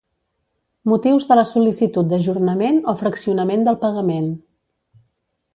Motius de la sol·licitud d'ajornament o fraccionament del pagament.